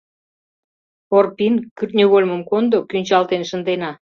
Порпин, кӱртньыгольмым кондо, кӱнчалтен шындена.